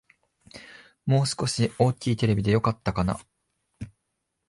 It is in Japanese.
もう少し大きいテレビでよかったかな